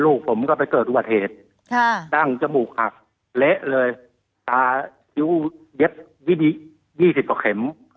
ลูกผมก็ไปเกิดวัดเหตุค่ะดั้งจมูกหักเละเลยตายูเย็บยี่สิบกว่าเข็มอ่า